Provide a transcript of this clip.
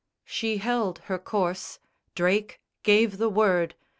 _ She held her course. Drake gave the word.